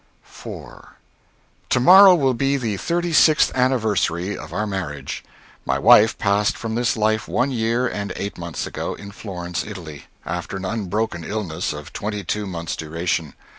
VI. To morrow will be the thirty sixth anniversary of our marriage. My wife passed from this life one year and eight months ago, in Florence, Italy, after an unbroken illness of twenty two months' duration.